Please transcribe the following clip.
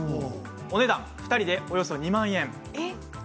お値段、２人でおよそ２万円。